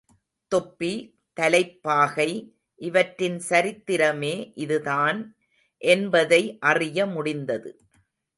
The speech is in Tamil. தொப்பி, தலைப்பாகை இவற்றின் சரித்திரமே இதுதான் என்பதை அறியமுடிந்தது.